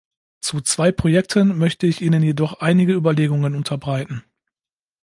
Zu zwei Projekten möchte ich Ihnen jedoch einige Überlegungen unterbreiten.